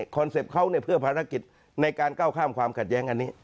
คอนเซปต์เขาคือภารกิจในการก้าวข้ามความขัดแย้ง